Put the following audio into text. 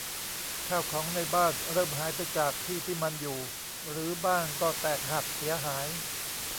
ข้าวของในบ้านเริ่มหายไปจากที่ที่มันอยู่ หรือบ้างก็แตกหักเสียหาย